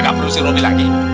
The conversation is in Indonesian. gak perlu si robby lagi